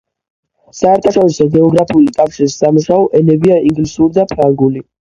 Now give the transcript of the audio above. საერთაშორისო გეოგრაფიული კავშირის სამუშაო ენებია ინგლისური და ფრანგული.